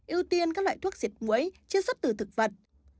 ưu tiên các loại thuốc diệt mũi chưa xuất từ thực vật